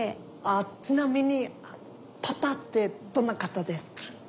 あっちなみにパパってどんな方ですか？